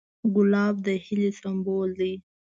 ګلاب د هیلې سمبول دی.